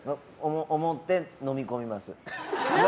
思って、飲み込みます。